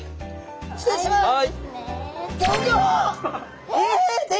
失礼します。